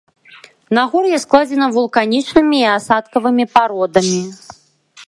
Нагор'е складзена вулканічнымі і асадкавымі пародамі.